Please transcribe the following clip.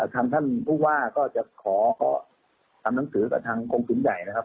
ท่านผู้ว่าก็จะขอทำหนังสือกับทางกรงศูนย์ใหญ่นะครับ